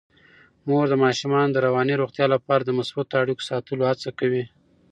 مور د ماشومانو د رواني روغتیا لپاره د مثبتو اړیکو ساتلو هڅه کوي.